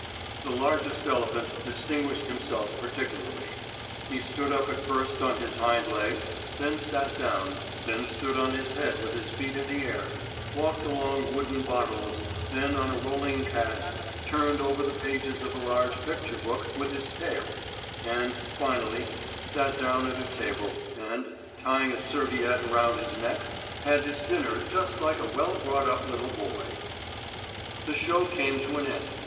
The largest elephant distinguished himself particularly. He stood up at first on his hind legs, then sat down, then stood on his head with his feet in the air, walked along wooden bottles, then on a rolling cask, turned over the pages of a large picture book with his tail, and, finally, sat down at a table and, tying a serviette round his neck, had his dinner just like a well brought up little boy. The show came to an end.